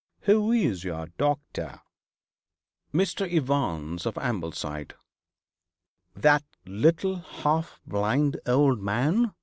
'Who is your doctor?' 'Mr. Evans, of Ambleside.' 'That little half blind old man!'